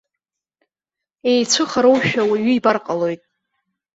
Еицәыхароушәа уаҩы ибар ҟалоит.